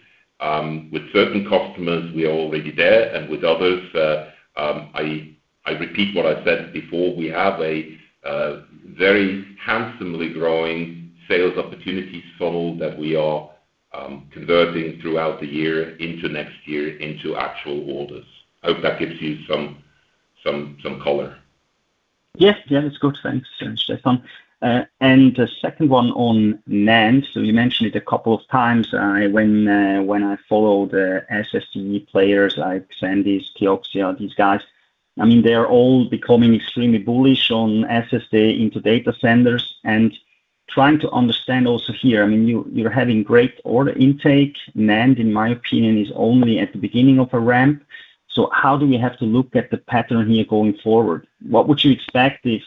With certain customers, we are already there, and with others, I repeat what I said before. We have a very handsomely growing sales opportunity funnel that we are converting throughout the year into next year into actual orders. Hope that gives you some color. Yeah. That's good. Thanks, Stephan. The second one on NAND. You mentioned it a couple of times. When I follow the SSD players like SanDisk, Kioxia, these guys, they are all becoming extremely bullish on SSD into data centers and trying to understand also here, you're having great order intake. NAND, in my opinion, is only at the beginning of a ramp. How do we have to look at the pattern here going forward? What would you expect if,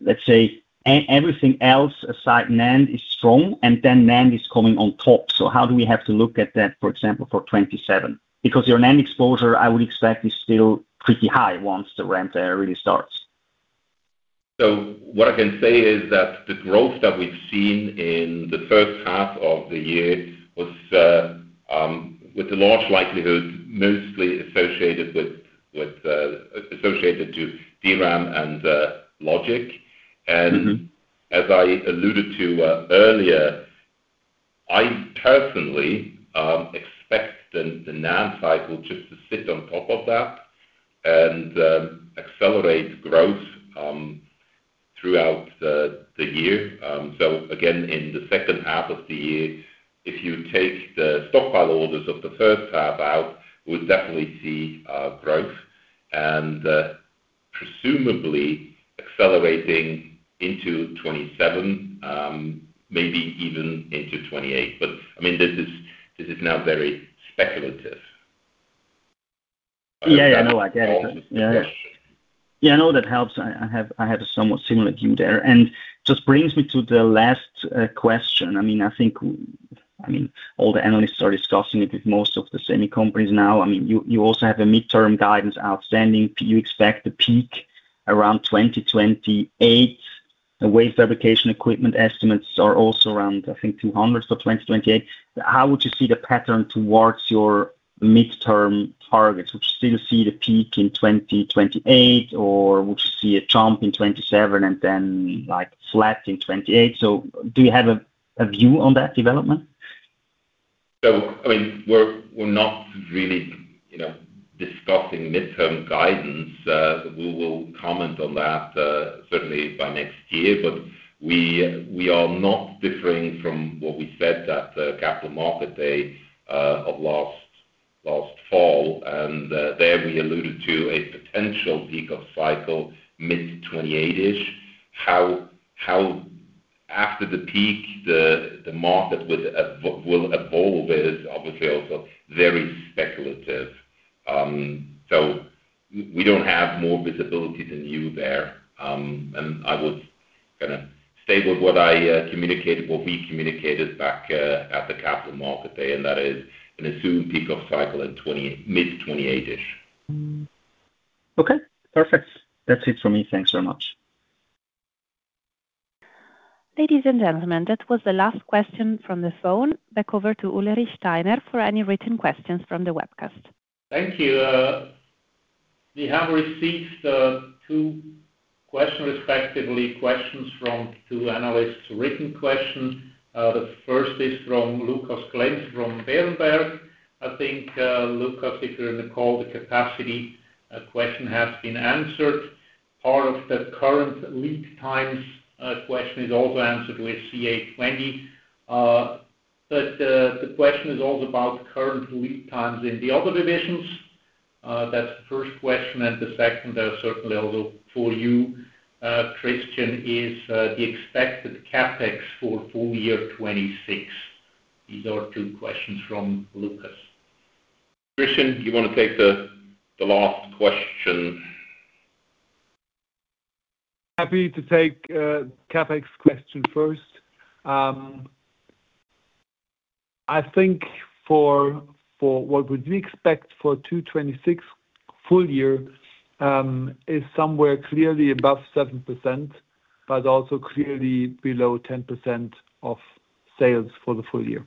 let's say, everything else aside NAND is strong and then NAND is coming on top. How do we have to look at that, for example, for 2027? Because your NAND exposure, I would expect, is still pretty high once the ramp there really starts. What I can say is that the growth that we've seen in the first half of the year was with a large likelihood, mostly associated to DRAM and logic. As I alluded to earlier, I personally expect the NAND cycle just to sit on top of that and accelerate growth throughout the year. Again, in the second half of the year, if you take the stockpile orders of the first half out, we'll definitely see growth and presumably accelerating into 2027, maybe even into 2028. This is now very speculative. Yeah, that helps. Just brings me to the last question. I think all the analysts are discussing it with most of the semi companies now. You also have a midterm guidance outstanding. You expect a peak around 2028. The wafer fabrication equipment estimates are also around, I think, 200 for 2028. How would you see the pattern towards your midterm targets? Would you still see the peak in 2028, or would you see a jump in 2027 and then flat in 2028? Do you have a view on that development? We're not really discussing midterm guidance. We will comment on that certainly by next year. We are not differing from what we said at the capital market day of last fall. There we alluded to a potential peak of cycle mid-2028-ish. How after the peak the market will evolve is obviously also very speculative. We don't have more visibility than you there. I would kind of stay with what I communicated, what we communicated back at the capital market day, and that is an assumed peak of cycle in mid-2028-ish. Okay, perfect. That's it for me. Thanks very much. Ladies and gentlemen, that was the last question from the phone. Back over to Ulrich Steiner for any written questions from the webcast. Thank you. We have received two question, respectively, questions from two analysts. Written question. The first is from Lukas Klenz from Berenberg. I think, Lukas, if you're in the call, the capacity question has been answered. Part of the current lead times question is also answered with CA20. The question is also about current lead times in the other divisions. That's the first question, and the second certainly also for you, Christian, is the expected CapEx for full year 2026. These are two questions from Lukas. Christian, do you want to take the last question? Happy to take CapEx question first. I think for what would we expect for 2026 full year is somewhere clearly above 7%, also clearly below 10% of sales for the full year.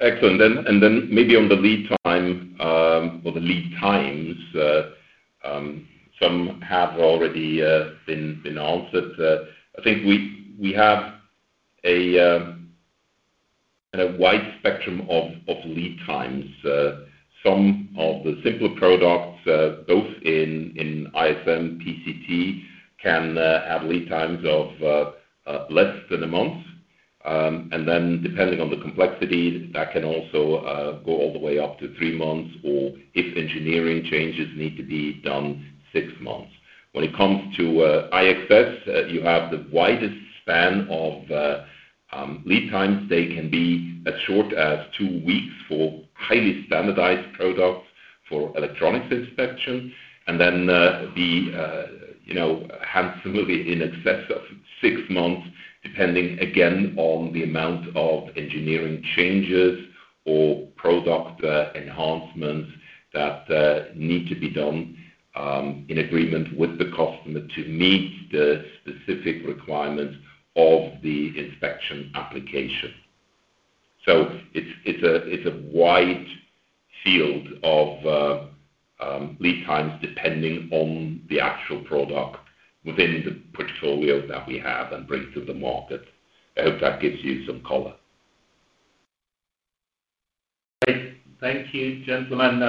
Excellent. Maybe on the lead time, or the lead times, some have already been answered. I think we have a wide spectrum of lead times. Some of the simpler products, both in IXM, PCT, can have lead times of less than a month. Depending on the complexity, that can also go all the way up to three months, or if engineering changes need to be done, six months. When it comes to IXS, you have the widest span of lead times. They can be as short as two weeks for highly standardized products for electronics inspection, be handsomely in excess of six months, depending, again, on the amount of engineering changes or product enhancements that need to be done in agreement with the customer to meet the specific requirements of the inspection application. It's a wide field of lead times, depending on the actual product within the portfolio that we have and bring to the market. I hope that gives you some color. Great. Thank you, gentlemen,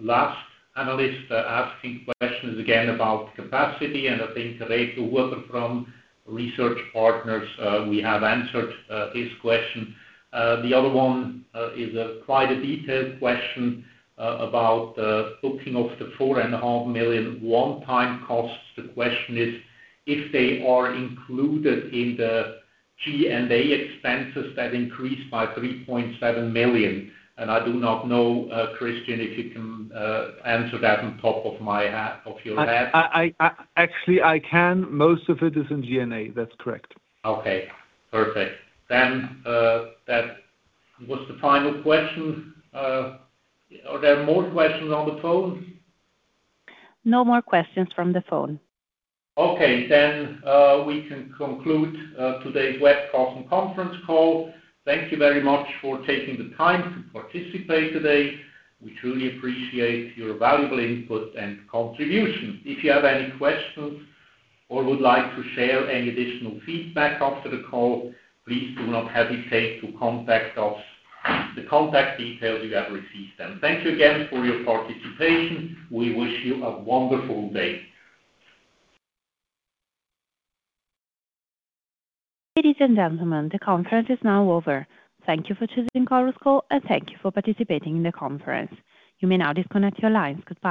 last analyst asking questions again about capacity. I think Rachael Walker from Research Partners, we have answered this question. The other one is quite a detailed question about the booking of the 4.5 million one-time costs. The question is, if they are included in the G&A expenses that increased by 3.7 million. I do not know, Christian, if you can answer that on top of your head. Actually, I can. Most of it is in G&A. That's correct. Okay, perfect. That was the final question. Are there more questions on the phone? No more questions from the phone. Okay. We can conclude today's webcast and conference call. Thank you very much for taking the time to participate today. We truly appreciate your valuable input and contribution. If you have any questions or would like to share any additional feedback after the call, please do not hesitate to contact us. The contact details you have received them. Thank you again for your participation. We wish you a wonderful day. Ladies and gentlemen, the conference is now over. Thank you for choosing Chorus Call. Thank you for participating in the conference. You may now disconnect your lines. Goodbye.